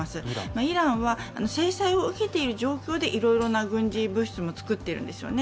イランは、制裁を受けている状況でいろいろな軍事物資も作っているんですよね。